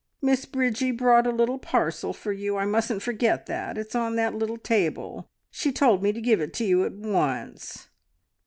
Miss Bridgie brought a little parcel for you I mustn't forget that. It is on that little table. She told me to give it to you at once."